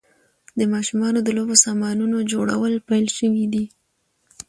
د ماشومانو د لوبو سامانونو جوړول پیل شوي دي.